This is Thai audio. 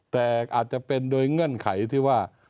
แต่อาจจะเป็นโดยเงื่อนไขที่ว่า